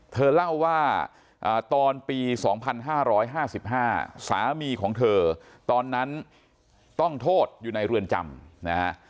เธอเล่าว่าตอนปี๒๕๕๕สามีของเธอตอนนั้นต้องโทษอยู่ในเรือนจำนะฮะ